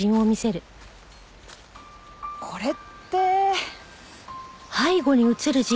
これって。